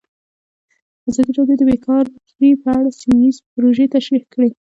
ازادي راډیو د بیکاري په اړه سیمه ییزې پروژې تشریح کړې.